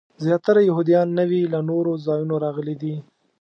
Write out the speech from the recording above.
زیاتره یهودیان نوي له نورو ځایونو راغلي دي.